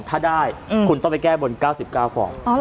ถ้าได้คุณต้องไปแก้บน๙๙ฟอง